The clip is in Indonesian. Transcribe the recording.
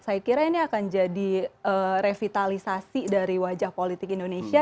saya kira ini akan jadi revitalisasi dari wajah politik indonesia